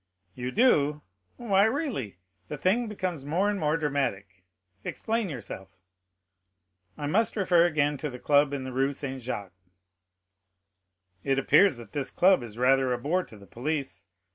"You do? Why, really, the thing becomes more and more dramatic—explain yourself." "I must refer again to the club in the Rue Saint Jacques." "It appears that this club is rather a bore to the police.